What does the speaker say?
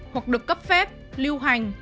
hoặc được cấp phép lưu hành